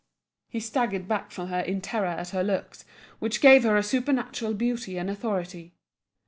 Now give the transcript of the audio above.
He staggered back from her in terror at her looks, which gave her a supernatural beauty and authority.